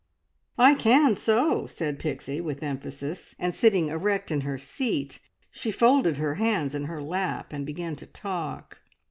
"I can so!" said Pixie with emphasis, and sitting erect in her seat she folded her hands in her lap, and began to talk.